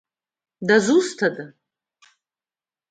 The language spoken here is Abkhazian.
Дызусҭада?!